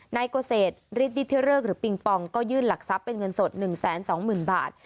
นายกษตร์ฤทธิเทอร์เริกหรือปิงปองก็ยื่นหลักทรัพย์เป็นเงินสดหนึ่งแสนสองหมื่นบาท